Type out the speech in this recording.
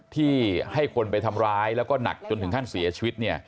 ที่ให้คนไปทำร้ายแล้วก็หนักจนถึงขั้นเสียชีวิต